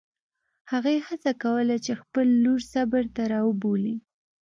هغې هڅه کوله چې خپله لور صبر ته راوبولي.